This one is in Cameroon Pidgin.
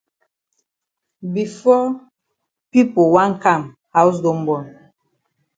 Before pipo wan kam haus don bon.